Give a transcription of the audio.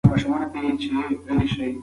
دا پوسټ د ټولو لپاره ګټور دی.